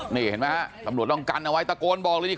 นี่เห็นไหมฮะตำรวจต้องกันเอาไว้ตะโกนบอกเลยนี่